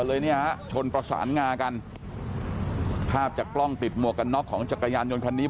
เสียหลักพุ่งไปก็เลยเหมือนไปตัดหน้ารถจักรยานยนต์